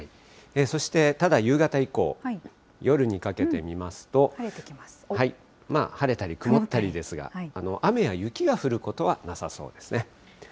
そして、ただ夕方以降、夜にかけて見ますと、晴れたり曇ったりですが、雨や雪が降ることはなさそうですね。